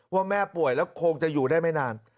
ว่าแม่ป่วยแล้วคงจะอยู่ได้ไม่นาน